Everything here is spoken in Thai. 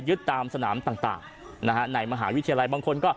ยึดตามสนามต่างในมหาวิทยาลัย